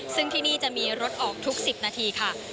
ซึ่งที่นี่จะมีรถออกทุก๑๐นาทีค่ะ